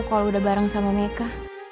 kalo udah bareng sama mika